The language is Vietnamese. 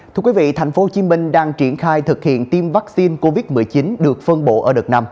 thưa quý vị tp hcm đang triển khai thực hiện tiêm vaccine covid một mươi chín được phân bộ ở đợt năm